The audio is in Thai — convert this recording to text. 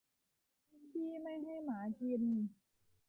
ขี้ไม่ให้หมากิน